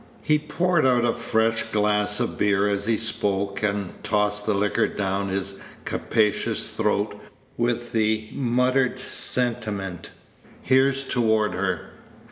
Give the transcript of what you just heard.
He poured out a fresh glass of beer as he spoke, and tossed the liquor down his capacious throat with the muttered sentiment, "Here's toward her."